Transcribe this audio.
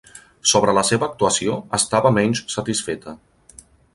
Sobre la seva actuació, estava menys satisfeta.